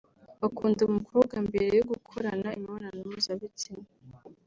bakunda umukobwa mbere yo gukorana imibonano mpuzabitsina